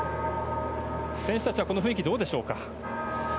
選手たちはこの雰囲気どうでしょうか。